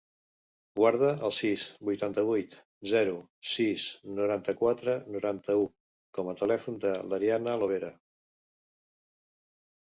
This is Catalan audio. Guarda el sis, vuitanta-vuit, zero, sis, noranta-quatre, noranta-u com a telèfon de l'Arianna Lobera.